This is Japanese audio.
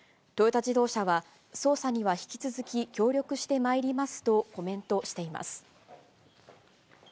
トヨタ自動車は、捜査には引き続き協力してまいりますとコメントしています。